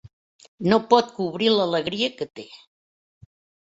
No pot cobrir l'alegria que té.